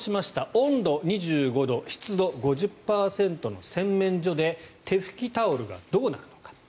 温度２５度湿度５０％の洗面所で手拭きタオルがどうなるのか。